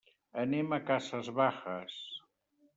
Anem a Casas Bajas.